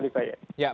baik pak miku